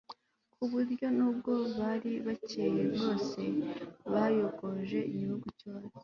ku buryo n'ubwo bari bakeya bwose bayogoje igihugu cyose